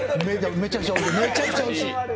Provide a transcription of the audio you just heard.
めちゃくちゃおいしい。